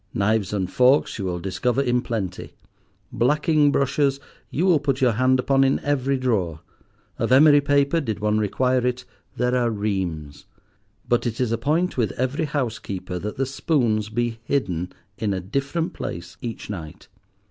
Knives and forks you will discover in plenty; blacking brushes you will put your hand upon in every drawer; of emery paper, did one require it, there are reams; but it is a point with every housekeeper that the spoons be hidden in a different place each night.